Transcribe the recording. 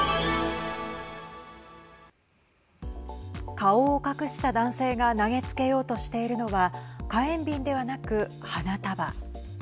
顔を隠した男性が投げつけようとしているのは火炎瓶ではなく花束。